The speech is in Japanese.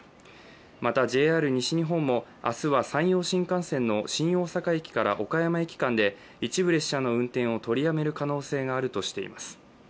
またＪＲ西日本も明日は山陽新幹線の新大阪駅から岡山駅間で一部列車の運転を取りやめる可能性があるとしています。